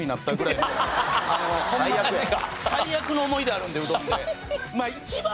最悪の思い出あるんでうどんで。